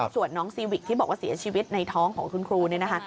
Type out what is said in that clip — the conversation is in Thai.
ส่วนน้องซีวิกที่บอกว่าเสียชีวิตในท้องของคุณครูเนี่ยนะคะ